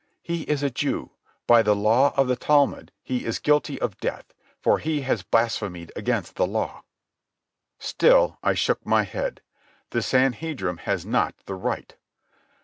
"He is a Jew. By the law of the Talmud he is guilty of death, for he has blasphemed against the law." Still I shook my head. "The Sanhedrim has not the right."